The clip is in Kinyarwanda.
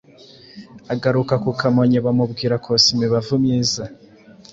agaruka ku Kamonyi. Bamubwira kosa imibavu myiza